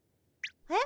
え？